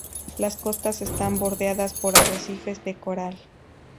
Las costas están bordeadas por arrecifes de coral.